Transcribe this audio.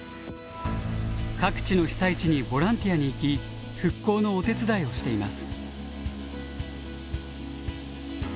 各地の被災地にボランティアに行き復興のお手伝いをしています。